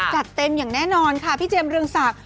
จัดเต็มอย่างแน่นอนค่ะพี่เจมสเรืองศักดิ